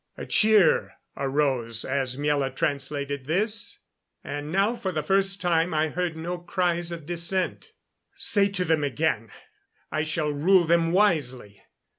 A cheer arose as Miela translated this; and now for the first time I heard no cries of dissent. "Say to them again I shall rule them wisely.